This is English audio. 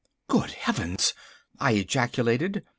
"Good heavens!" I ejaculated.